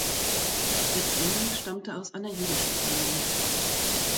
Fritz Engel stammte aus einer jüdischen Familie.